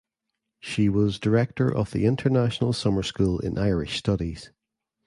She was director of the International Summer School in Irish Studies.